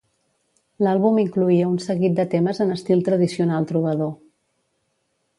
L'àlbum incloïa un seguit de temes en estil tradicional trobador.